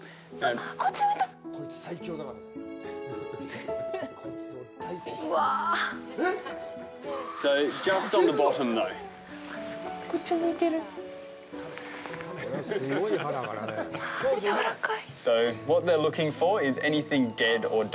ああ、やわらかい。